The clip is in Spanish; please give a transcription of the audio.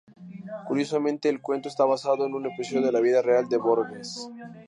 Curiosamente, el cuento está basado en un episodio de la vida real de Borges.